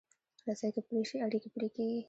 رسۍ که پرې شي، اړیکې پرې کېږي.